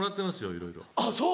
いろいろこう。